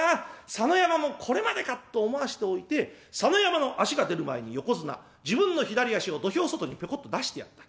佐野山もこれまでか」と思わせておいて佐野山の足が出る前に横綱自分の左足を土俵外にぴょこっと出してやった。